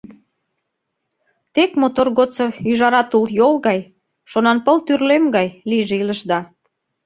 Тек мотор годсо ӱжара тулйол гай, шонанпыл тӱрлем гай лийже илышда!